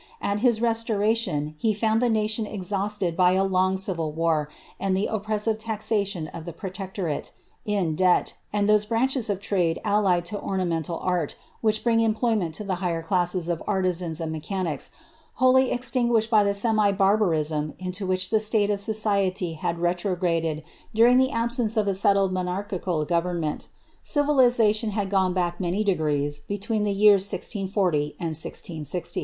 At his restoration, he found the nation ex hausted by a long civil war and the oppressive taxation of the protecto rate, in debt, and those branches of trade allied to ornamental art, which bring employment to the higher classes of artisans and mechanice« wholly extinguished by the semi barbarism into which the state of so ciety had retrograded during the absence of a settled monarchical goven niLMit. Civilization had gone back many degrees between the years 1640 i.mi 1060.